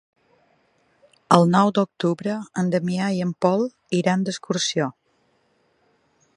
El nou d'octubre en Damià i en Pol iran d'excursió.